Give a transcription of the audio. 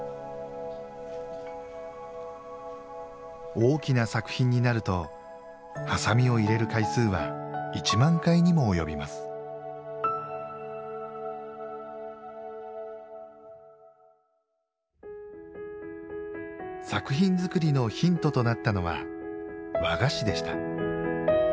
大きな作品になるとハサミを入れる回数は１万回にも及びます作品作りのヒントとなったのは和菓子でした。